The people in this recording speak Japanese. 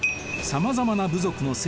さまざまな部族の聖地